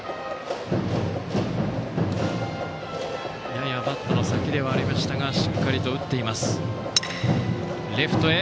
ややバットの先ではありましたがしっかりと打っています。